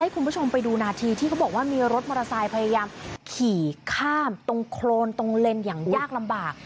คุณผู้ชมไปดูนาทีที่เขาบอกว่ามีรถมอเตอร์ไซค์พยายามขี่ข้ามตรงโครนตรงเลนอย่างยากลำบาก